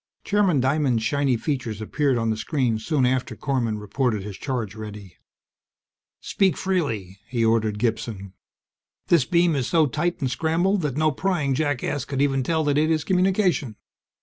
Chairman Diamond's shiny features appeared on the screen soon after Korman reported his charge ready. "Speak freely," he ordered Gibson. "This beam is so tight and scrambled that no prying jackass could even tell that it is communication.